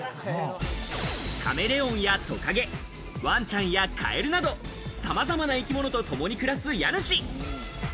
カメレオンやトカゲ、ワンちゃんやカエルなど、さまざまな生き物とともに暮らす家主。